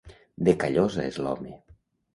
De Callosa és l'home.